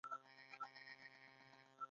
موږ یو ملت یو.